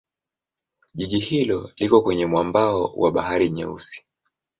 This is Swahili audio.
Jiji hilo liko kwenye mwambao wa Bahari Nyeusi.